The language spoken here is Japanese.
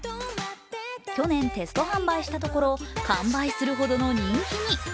去年、テスト販売したところ、完売するほどの人気に。